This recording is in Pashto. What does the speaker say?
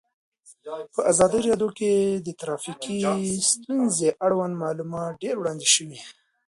په ازادي راډیو کې د ټرافیکي ستونزې اړوند معلومات ډېر وړاندې شوي.